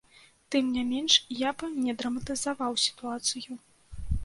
Тым не менш, я б не драматызаваў сітуацыю.